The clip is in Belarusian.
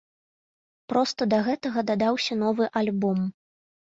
Проста да гэтага дадаўся новы альбом.